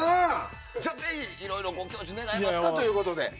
じゃあ、いろいろご教授願えますかということで。